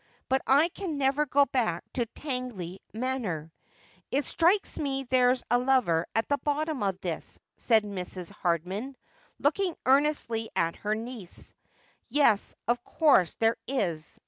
But I can never go back to Tangley Manor.' ' It strikes me there's a lover at the bottom of this,' said Mrs, Hardman, looking earnestly at her niece. ' Yes, of course there is.